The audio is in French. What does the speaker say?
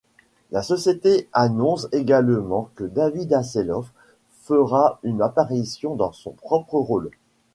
La société annonce également que David Hasselhoff fera une apparition dans son propre rôle.